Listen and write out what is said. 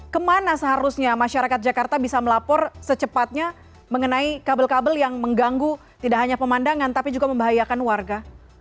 kemana seharusnya masyarakat jakarta bisa melapor secepatnya mengenai kabel kabel yang mengganggu tidak hanya pemandangan tapi juga membahayakan warga